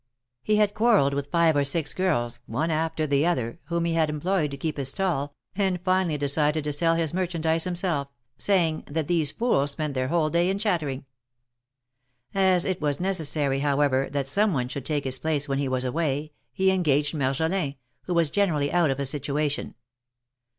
He had quarrelled with five or six girls, one after the other, whom he had employed to keep his stall, and finally decided to sell his merchandise himself, saying, that these fools spent their whole day in chattering. As it was necessary, however, that some one should take his place when he was away, he engaged Marjolin, who was generally out of a situation.